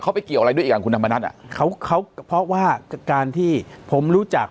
เขาไปเกี่ยวอะไรด้วยอีกอย่างคุณธรรมนัสอ่ะเขาเขาเพราะว่าการที่ผมรู้จัก